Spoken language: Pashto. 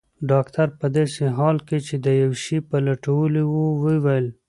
ډاکټر په داسې حال کې چي د یو شي په لټولو وو وویل.